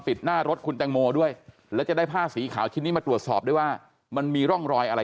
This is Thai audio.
หน้ารถคุณแตงโมด้วยแล้วจะได้ผ้าสีขาวชิ้นนี้มาตรวจสอบด้วยว่ามันมีร่องรอยอะไร